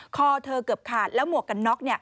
คอเธอเกือบขาดแล้วหมวกกันน็อก